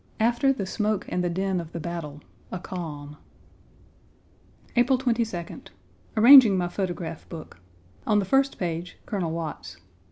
After the smoke and the din of the battle, a calm. April 22d. Arranging my photograph book. On the first page, Colonel Watts.